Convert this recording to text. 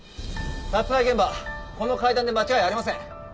殺害現場この階段で間違いありません。